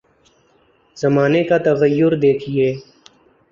زمانے کا تغیر دیکھیے۔